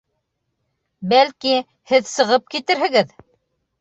Бәлки, һеҙ сығып китерһегеҙ?